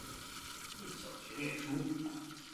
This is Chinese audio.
最后她没进小学念书